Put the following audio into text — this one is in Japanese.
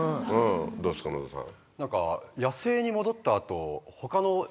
どうですか野田さん。